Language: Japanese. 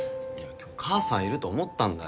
今日母さんいると思ったんだよ